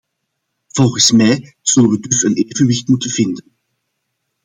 Volgens mij zullen we dus een evenwicht moeten vinden.